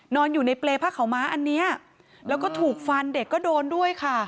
นอนอยู่ในเปรย์ผ้าขาวม้าอันเนี้ยแล้วก็ถูกฟันเด็กก็โดนด้วยค่ะ